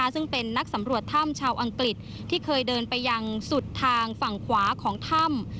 ซึ่งเป็นนักสำรวจถ้ำชาวอังกฤษที่เคยเดินไปยังสุดทางฝั่งขวาของถ้ำ